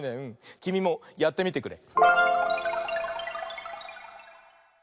きみもやってみてくれ。